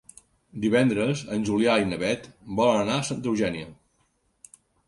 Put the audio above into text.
Divendres en Julià i na Beth volen anar a Santa Eugènia.